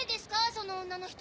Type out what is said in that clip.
その女の人。